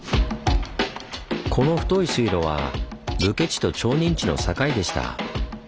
この太い水路は武家地と町人地の境でした。